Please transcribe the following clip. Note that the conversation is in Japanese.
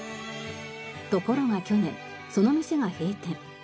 ところが去年その店が閉店。